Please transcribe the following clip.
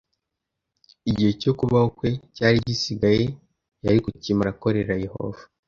Igihe cyo kubaho kwe cyari gisigaye yari kukimara akorera Yehova